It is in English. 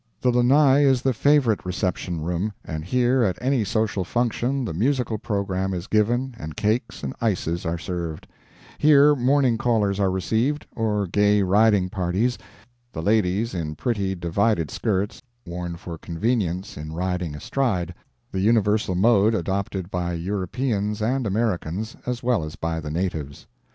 "The lanai is the favorite reception room, and here at any social function the musical program is given and cakes and ices are served; here morning callers are received, or gay riding parties, the ladies in pretty divided skirts, worn for convenience in riding astride, the universal mode adopted by Europeans and Americans, as well as by the natives.